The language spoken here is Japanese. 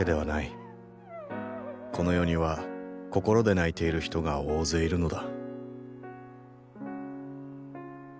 この世には心で泣いている人が大勢いるのだ。